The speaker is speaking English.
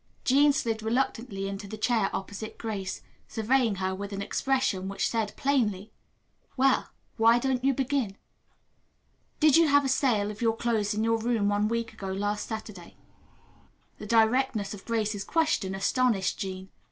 Jean slid reluctantly into the chair opposite Grace, surveying her with an expression which said plainly, "Well, why don't you begin?" "Did you have a sale of your clothes in your room one week ago last Saturday?" The directness of Grace's question astonished Jean.